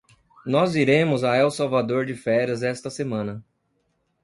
Nós iremos a El Salvador de férias esta semana.